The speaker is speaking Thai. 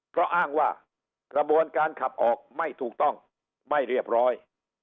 เพราะอ้างว่ากระบวนการขับออกไม่ถูกต้องไม่เรียบร้อย